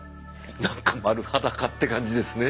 何か丸裸って感じですね。